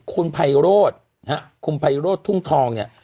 คุณภัยโรดคุณภัยโรดทุ่งทองเนี่ย